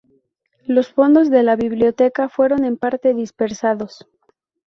Los fondos de la biblioteca fueron en parte dispersados.